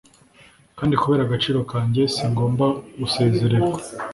kandi kubera agaciro kanjye singomba gusezererwa.